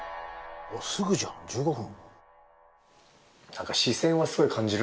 すぐじゃん１５分。